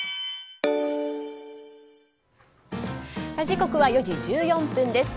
時刻は４時１４分です。